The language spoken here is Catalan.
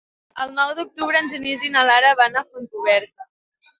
El nou d'octubre en Genís i na Lara van a Fontcoberta.